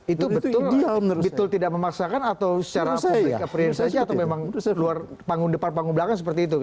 itu betul tidak memaksakan atau secara publik saja atau memang luar panggung depan panggung belakang seperti itu